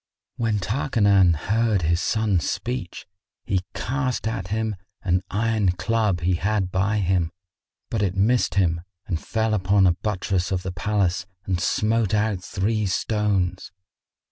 When Tarkanan heard his son's speech, he cast at him an iron club he had by him; but it missed him and fell upon a buttress of the palace and smote out three stones.